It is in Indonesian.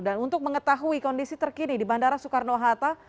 dan untuk mengetahui kondisi terkini di bandara soekarno hatta